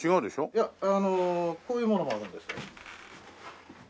いやあのこういう物もあるんですよ。